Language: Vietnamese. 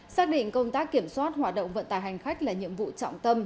xác định công tác kiểm soát hoạt động vận tài hành khách là nhiệm vụ trọng tâm